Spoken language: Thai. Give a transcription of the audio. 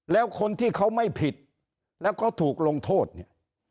แล้วคนที่เขาไม่ผิดแล้วเขาถูกลงโทษเนี่ย